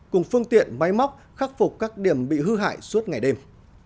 cùng phương tiện máy móc khắc phục các điểm bị hư hại suốt ngày đêm